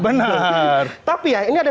benar tapi ya ini ada